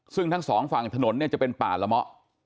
ซึ่งทั้งสองฝั่งถนนเนี่ยจะเป็นป่าละเมาะ